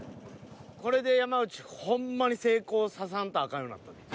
これで山内ほんまに成功ささんとあかんようなったで。